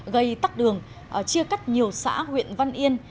gây tắc đường chia cắt nhiều xã huyện văn yên